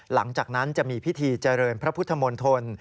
หลังจากนั้นจะมีพิธีเจริญพระพุทธมนตร